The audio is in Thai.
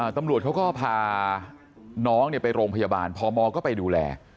ตำรวจเขาก็พาน้องไปโรงพยาบาลพมก็ไปดูแล